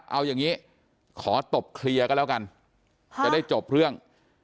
เอาอย่างนี้ขอตบเคลียร์กันแล้วกันจะได้จบเรื่อง